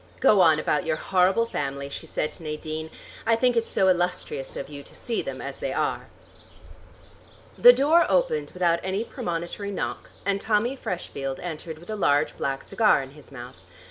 "Go on about your horrible family," she said to Nadine. "I think it's so illustrious of you to see them as they are." The door opened without any premonitory knock, and Tommy Freshfield entered with a large black cigar in his mouth.